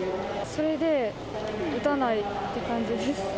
それで打たないって感じです。